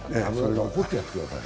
怒ってやってください。